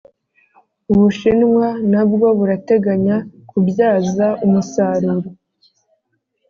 Bushinwa nabwo burateganya kubyaza umusaruro